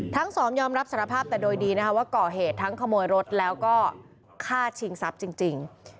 ทั้งสองยอมรับสารภาพแต่โดยดีนะคะว่าก่อเหตุทั้งขโมยรถแล้วก็ฆ่าชิงทรัพย์จริง